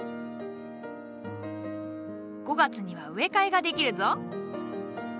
５月には植え替えができるぞ。